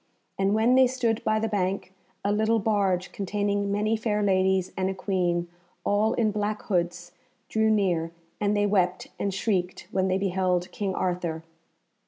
And when they stood by the bank, a little barge containing many fair ladies and a Queen, all in black hoods, drew near, and they wept and shrieked when they beheld King Arthur.